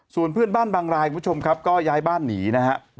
ส่วนเพื่อนบ้านบางรายคุณผู้ชมครับก็ย้ายบ้านหนีนะครับ